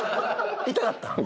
痛かったん？